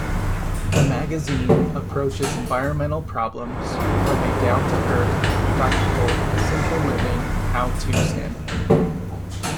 The magazine approaches environmental problems from a down-to-earth, practical, simple living, how-to standpoint.